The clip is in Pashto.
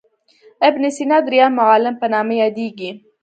ابن سینا درېم معلم په نامه یادیږي.